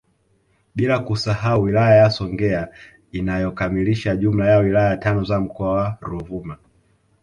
Bila kusahau wilaya ya Songea inayokamilisha jumla ya wilaya tano za mkoa wa Ruvuma